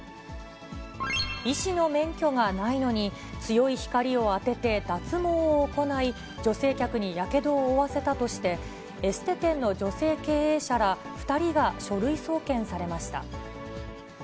医師の免許がないのに、強い光を当てて脱毛を行い、女性客にやけどを負わせたとして、エステ店の女性経営者ら２人が書類送検されました。